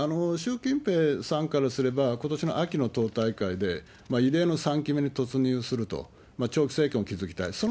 習近平さんからすれば、ことしの秋の党大会で異例の３期目に突入すると、長期政権を築きたい。